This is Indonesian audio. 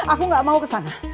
aku gak mau kesana